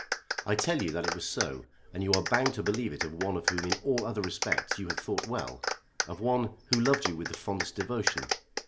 "I tell you that it was so, and you are bound to believe it of one of whom in all other respects you had thought well; of one who loved you with the fondest devotion.